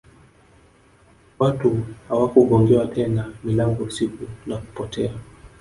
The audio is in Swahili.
Watu hawakugongewa tena milango usiku na kupotea